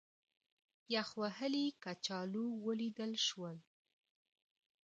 یخ وهلي کچالو ولیدل شول.